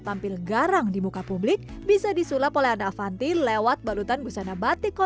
tampil garang di muka publik bisa disulap oleh anda avanti lewat balutan busana batik